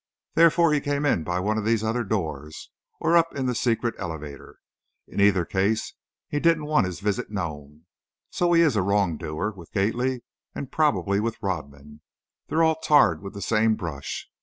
Therefore, he came in by one of these other doors, or up in the secret elevator. In either case, he didn't want his visit known. So he is a wrongdoer, with Gately, and probably, with Rodman. They're all tarred with the same brush.